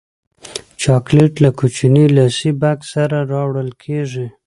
چاکلېټ له کوچني لاسي بکس سره راوړل کېږي.